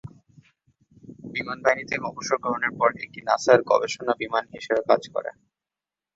বিমানবাহিনী থেকে অবসর গ্রহণের পর এটি নাসার গবেষণা বিমান হিসেবে কাজ করে।